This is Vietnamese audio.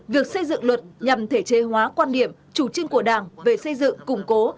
việc xây dựng luật nhằm thể chế hóa quan điểm chủ trương của đảng về xây dựng củng cố